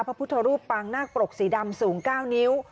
พระพุทธรูปปางนาคปรกสีดำสูง๙นิ้ว